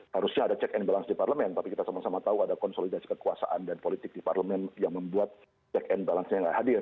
harusnya ada check and balance di parlemen tapi kita sama sama tahu ada konsolidasi kekuasaan dan politik di parlemen yang membuat check and balance nya tidak hadir